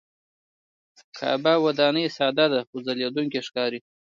کعبه وداني ساده ده خو ځلېدونکې ښکاري.